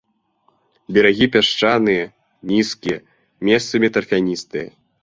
Берагі пясчаныя, нізкія, месцамі тарфяністыя.